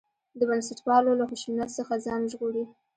د بنسټپالو له خشونت څخه ځان وژغوري.